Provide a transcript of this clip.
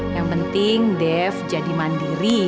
yang penting dev jadi mandiri